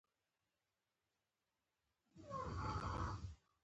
مسېنجر د چټک پیغام رسولو ټکنالوژي لري.